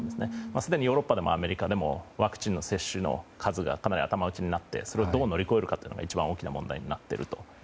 すでにヨーロッパでもアメリカでもワクチン接種の数がかなり頭打ちになってそれをどう乗り越えるかが一番大きな問題になっていると。